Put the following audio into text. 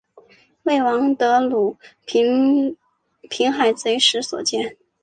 为王得禄剿平海贼时所建。